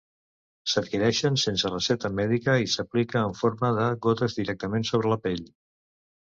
S’adquireix sense recepta mèdica i s’aplica en forma de gotes directament sobre la pell.